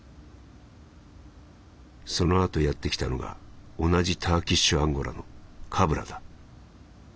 「その後やって来たのが同じターキッシュアンゴラの鏑だ。